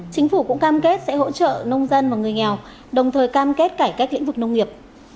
chính phủ cũng cam kết sẽ hỗ trợ nông dân và người nghèo đồng thời cam kết cải cách lĩnh vực nông nghiệp